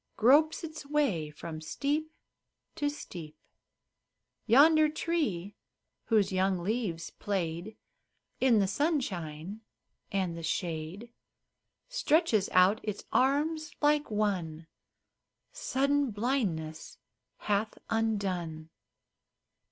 Gropes its way from steep to steep. Yonder tree, whose young leaves played In the sunshine and the shade, Stretches out its arms like one Sudden blindness hath undone.